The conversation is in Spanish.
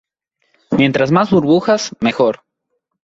Mientras más burbujas, mejor.